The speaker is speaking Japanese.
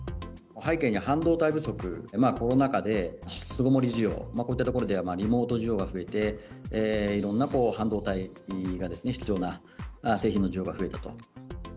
背景に半導体不足、コロナ禍で巣ごもり需要、こういったところではリモート需要が増えて、いろんな半導体が必要な製品の需要が増えたと。